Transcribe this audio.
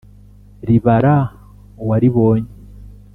Ribara uwaribonye.